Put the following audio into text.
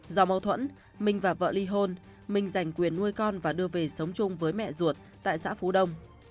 do mâu thuẫn minh và vợ ly hôn minh giành quyền nuôi con và đưa về sống chung với mẹ ruột tại xã phú đông